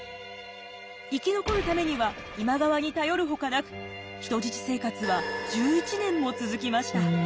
生き残るためには今川に頼るほかなく人質生活は１１年も続きました。